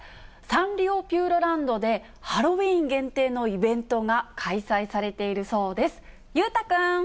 サンリオピューロランドで、ハロウィーン限定のイベントが開催されているそうです。